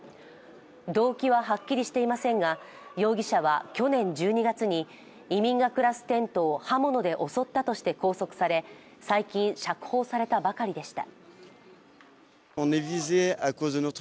動機ははっきりしていませんが容疑者は去年１２月に移民が暮らすテントを刃物で襲ったとして拘束され最近、釈放されたばかりでした。